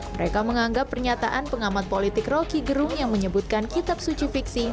mereka menganggap pernyataan pengamat politik roky gerung yang menyebutkan kitab suci fiksi